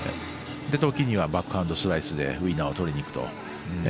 時にはバックハンドスライスでウィナーを取りにいくと。